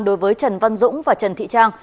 đối với trần văn dũng và trần thị trang